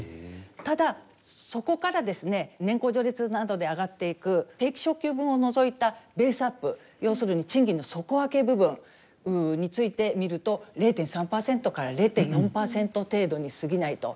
ただそこからですね年功序列などで上がっていく定期昇給分を除いたベースアップ要するに賃金の底上げ部分について見ると０．３％０．４％程度にすぎないと。